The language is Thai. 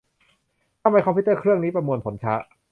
ทำไมคอมพิวเตอร์เครื่องนี้ประมวลผลช้า